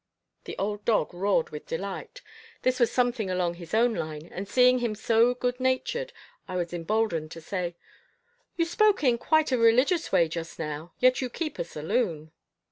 The old dog roared with delight. This was something along his own line, and seeing him so good natured, I was emboldened to say: "You spoke in quite a religious way just now, yet you keep a saloon."